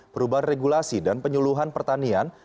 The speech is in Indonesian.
perubahan regulasi dan penyuluhan pertanian